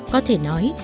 có thể nói